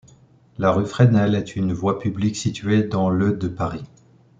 La rue Fresnel est une voie publique située dans le de Paris.